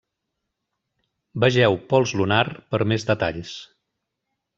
Vegeu pols lunar per més detalls.